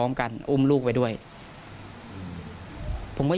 วันนี้ที่หมอปลามา